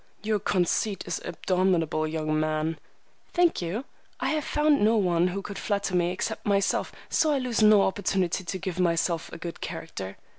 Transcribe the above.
"Your conceit is abominable, young man." "Thank you. I have found no one who could flatter me except myself, so I lose no opportunity to give myself a good character."